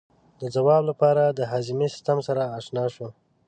د ځواب لپاره د هاضمې سیستم سره آشنا شو.